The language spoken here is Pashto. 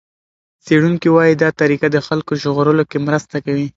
څېړونکي وايي دا طریقه د خلکو ژغورلو کې مرسته کوي.